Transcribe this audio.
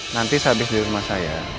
nanti sehabis di rumah saya